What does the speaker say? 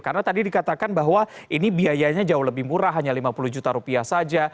karena tadi dikatakan bahwa ini biayanya jauh lebih murah hanya lima puluh juta rupiah saja